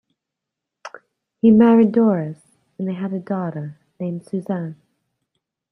He married Doris, and they had a daughter named Susan.